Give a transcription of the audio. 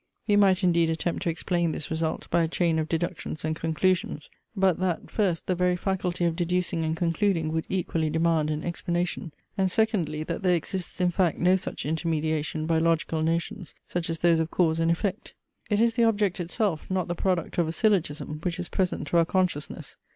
We might indeed attempt to explain this result by a chain of deductions and conclusions; but that, first, the very faculty of deducing and concluding would equally demand an explanation; and secondly, that there exists in fact no such intermediation by logical notions, such as those of cause and effect. It is the object itself, not the product of a syllogism, which is present to our consciousness.